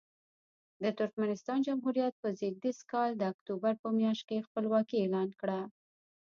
د ترکمنستان جمهوریت په زېږدیز کال د اکتوبر په میاشت کې خپلواکي اعلان کړه.